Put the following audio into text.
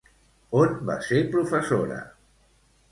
On va ser professora?